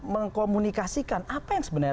mengkomunikasikan apa yang sebenarnya